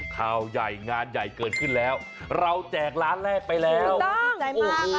ข้าวใหญ่งานใหญ่เกินขึ้นแล้วเราแจกล้านแรกไปแล้วโอ้โหน่าไกลมาก